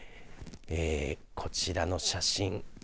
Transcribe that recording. こちらの写真。